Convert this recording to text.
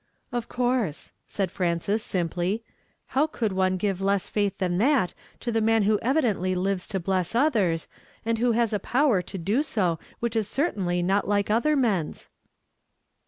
" Of coui se," said Frances simply. " How could one give less faitii than that to a man who evi dently lives to ])less others, and who has a power to do so which is certainly not like other men's